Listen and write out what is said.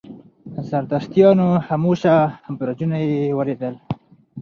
د زردشتانو خاموشه برجونه یې ولیدل.